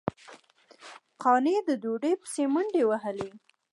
قانع د ډوډۍ پسې منډې وهلې.